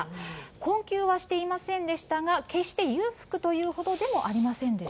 困窮はしていませんでしたが、決して裕福というほどでもありませんでした。